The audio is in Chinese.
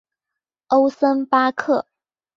欧森巴克。